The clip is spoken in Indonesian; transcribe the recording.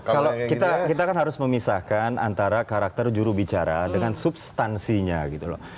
kalau kita kan harus memisahkan antara karakter jurubicara dengan substansinya gitu loh